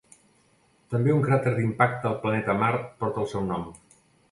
També un cràter d'impacte al planeta Mart porta el seu nom.